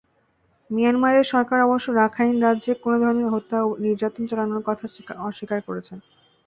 মিয়ানমারের সরকার অবশ্য রাখাইন রাজ্যে কোনো ধরনের হত্যা-নির্যাতন চালানোর কথা অস্বীকার করেছে।